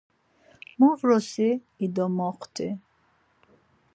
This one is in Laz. Mu vrosi i do moxt̆i.